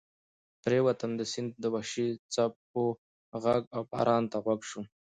پرېوتم، د سیند د وحشي څپو غږ او باران ته غوږ شوم.